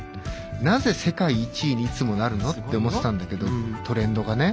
なぜ世界１位にいつもなるの？」って思ってたんだけどトレンドがね。